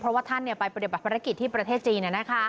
เพราะว่าท่านไปปฏิบัติภารกิจที่ประเทศจีน